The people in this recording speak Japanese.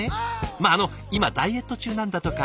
まああの今ダイエット中なんだとか。